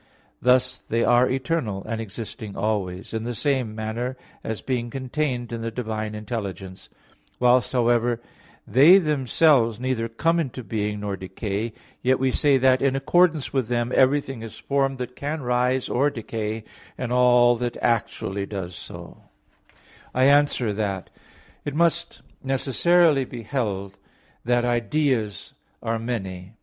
Thus they are eternal, and existing always in the same manner, as being contained in the divine intelligence. Whilst, however, they themselves neither come into being nor decay, yet we say that in accordance with them everything is formed that can rise or decay, and all that actually does so." I answer that, It must necessarily be held that ideas are many.